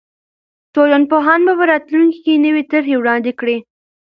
ټولنپوهان به په راتلونکي کې نوې طرحې وړاندې کړي.